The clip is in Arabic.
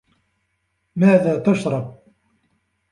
ماذا تشرب ؟